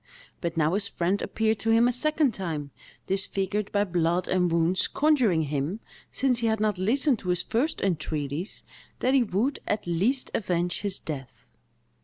But now his friend appeared before him a second time, disfigured by blood and wounds, conjuring him, since he had not listened to his first entreaties, that he would, at least, avenge his death.